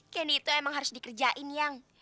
kenny itu emang harus dikerjain yang